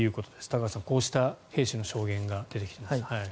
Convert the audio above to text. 高橋さん、こうした兵士の証言が出てきています。